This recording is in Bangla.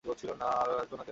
আসবো না কেন?